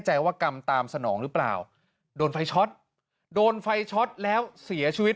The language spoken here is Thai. ว่ากำตามสนองหรือเปล่าโดนไฟช็อตโดนไฟช็อตแล้วเสียชีวิต